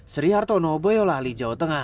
seri hartono boyolah lijau tengah